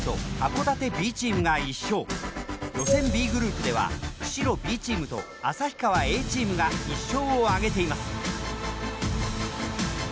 Ｂグループでは釧路Ｂチームと旭川Ａチームが１勝を挙げています。